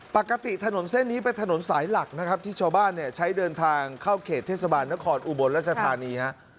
ปกติถนนเส้นนี้เป็นถนนสายหลักนะครับที่ชาวบ้านเนี่ยใช้เดินทางเข้าเขตเทศบาลนครอุบลรัชธานีฮะ